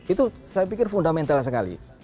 itu saya pikir fundamental sekali